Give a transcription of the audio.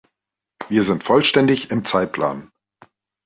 Wir sind vollständig im Zeitplan.